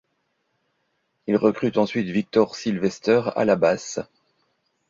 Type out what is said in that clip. Ils recrutent ensuite Victor Sylvester à la basse.